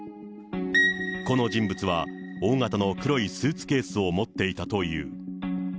この人物は、大型の黒いスーツケースを持っていたという。